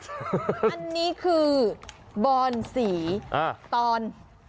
อันนี้คือบอนสีตอน